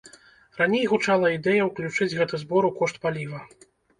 Раней гучала ідэя ўключыць гэты збор у кошт паліва.